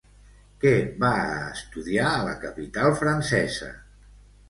Què va a estudiar a la capital francesa?